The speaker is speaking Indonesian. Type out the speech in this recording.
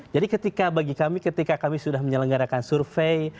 jadi ketika bagi kami ketika kami sudah menyelenggarakan survei